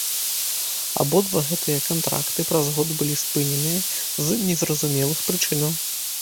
Абодва гэтыя кантракты праз год былі спыненыя з незразумелых прычынаў.